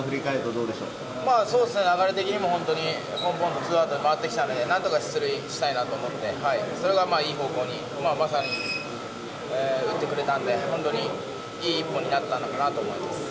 そうですね、流れ的にも本当にぽんぽんとツーアウトで回ってきたのでなんとか出塁したいなと思って、それがいい方向に、まさに打ってくれたんで、本当にいい一本になったのかなと思います。